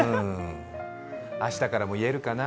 明日からも言えるかな？